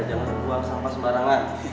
jangan buang sampah sembarangan